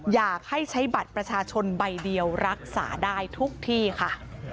อยากให้ใช้บัตรประชาชนใบเดียวรักษาได้ทุกที่ค่ะ